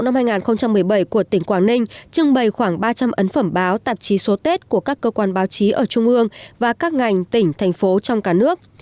hội báo xuân đinh dậu năm hai nghìn một mươi bảy của tỉnh quảng ninh trưng bày khoảng ba trăm linh ấn phẩm báo tạp chí số tết của các cơ quan báo chí ở trung ương và các ngành tỉnh thành phố trong cả nước